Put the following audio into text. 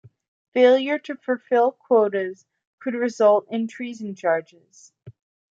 Failure to fulfill quotas could result in treason charges.